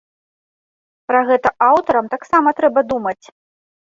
Пра гэта аўтарам таксама трэба думаць.